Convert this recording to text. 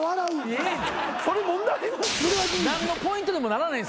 何のポイントにもならないんですよ。